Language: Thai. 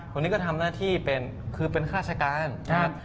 คนนี้ก็ทำหน้าที่เป็นคือเป็นฆาตราชการ